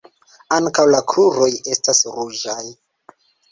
Ankaŭ la kruroj estas ruĝaj.